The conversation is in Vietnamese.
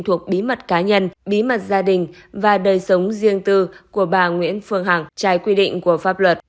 thuộc bí mật cá nhân bí mật gia đình và đời sống riêng tư của bà nguyễn phương hằng trái quy định của pháp luật